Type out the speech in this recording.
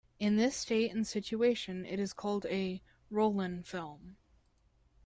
In this state and situation, it is called a "Rollin film".